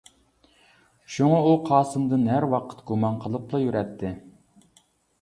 شۇڭا ئۇ قاسىمدىن ھەر ۋاقىت گۇمان قىلىپلا يۈرەتتى.